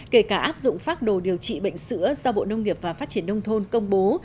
kể cả áp dụng phác đồ điều trị bệnh sữa do bộ nông nghiệp và phát triển nông thôn công bố